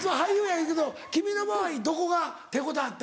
言うけど君の場合どこが手応えあった？